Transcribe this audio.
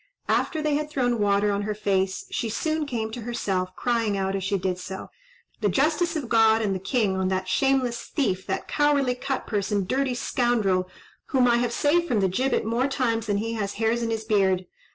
After they had thrown water on her face, she soon came to herself, crying out as she did so, "The justice of God and the king on that shameless thief, that cowardly cut purse, and dirty scoundrel, whom I have saved from the gibbet more times than he has hairs in his beard.